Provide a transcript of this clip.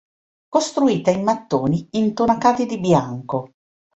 Costruita in mattoni intonacati di bianco.